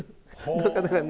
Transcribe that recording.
なかなかね